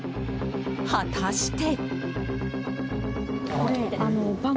果たして。